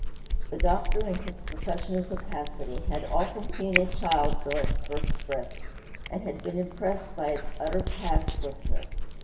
The doctor, in his professional capacity, had often seen a child draw its first breath, and had been impressed by its utter pastlessness.